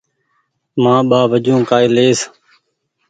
مآن ٻآ وجون ڪآئي ليئس